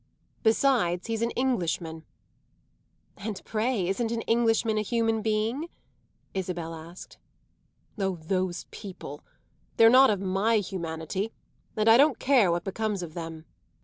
Besides, he's an Englishman." "And pray isn't an Englishman a human being?" Isabel asked. "Oh, those people? They're not of my humanity, and I don't care what becomes of them."